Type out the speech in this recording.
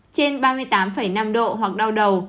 trên ba mươi tám năm độ hoặc đau đầu